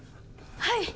はい！